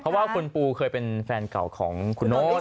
เพราะว่าคุณปูเคยเป็นแฟนเก่าของคุณโน๊ต